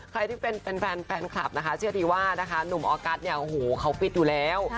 ใครที่เป็นแฟนคลับนะคะเชื่อดีว่านะคะหนุ่มออกัสเนี่ยโอ้โหเขาฟิตอยู่แล้ว